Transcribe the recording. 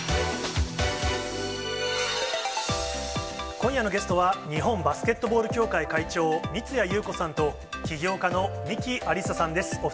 今夜のゲストは、日本バスケットボール協会会長、三屋裕子さんと、起業家の三木アリッサさんです。